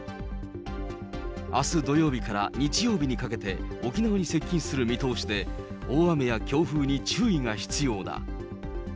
あす土曜日から日曜日にかけて、沖縄に接近する見通しで、大雨や強風に注意が必要だ。